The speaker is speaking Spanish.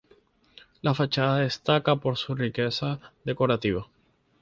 La fachada destaca por su riqueza decorativa.